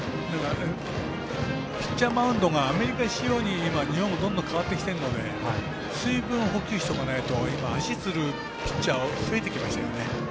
ピッチャーマウンドがアメリカ仕様に日本もどんどん変わってきているので水分補給しておかないと今は足をつるピッチャーが増えてきましたよね。